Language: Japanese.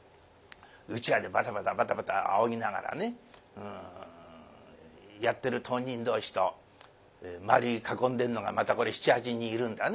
うちわでバタバタバタバタあおぎながらねやってる当人同士と周りに囲んでるのがまたこれ７８人いるんだね。